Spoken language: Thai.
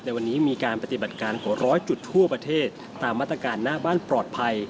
ในวันนี้มีการปฏิบัติการหัวร้อยจุดทั่วประเทศตามมาตรการหน้าบ้านปลอดภัย